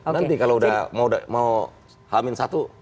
nanti kalau mau amin satu